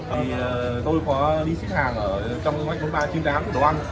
thì tôi có đi xếp hàng ở trong ngã chứng đám đồ ăn